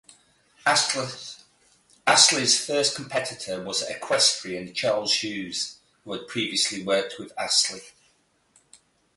Astley's first competitor was equestrian Charles Hughes, who had previously worked with Astley.